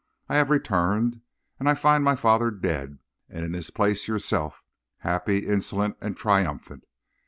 I have returned, and I find my father dead, and in his place yourself, happy, insolent, and triumphant.